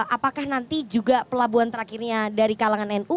apakah nanti juga pelabuhan terakhirnya dari kalangan nu